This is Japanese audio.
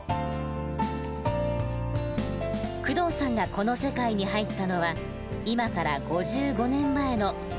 工藤さんがこの世界に入ったのは今から５５年前の昭和３２年。